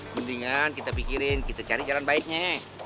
mendingan kita pikirin kita cari jalan baiknya